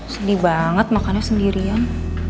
sedih banget makannya sendirian